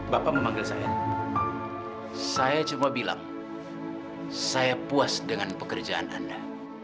bapak memanggil saya saya cuma bilang saya puas dengan pekerjaan anda